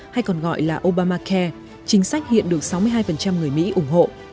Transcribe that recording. hay còn gọi là obamacare chính sách hiện được sáu mươi hai người mỹ ủng hộ